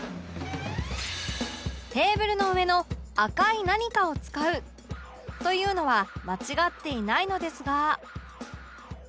テーブルの上の赤い何かを使うというのは間違っていないのですが